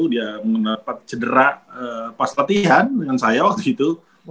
dia mendapat cedera pas latihan dengan saya waktu itu